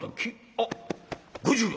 あっ５０両！